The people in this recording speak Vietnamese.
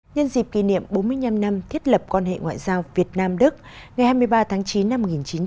nhân dịp kỷ niệm bốn mươi năm năm thiết lập quan hệ ngoại giao việt nam đức ngày hai mươi ba tháng chín năm một nghìn chín trăm bảy mươi